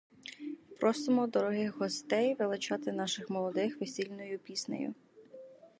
Просимо дорогих гостей величати наших молодих весільною піснею.